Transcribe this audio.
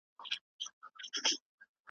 خلک د کالیو جزیات هم لیکي.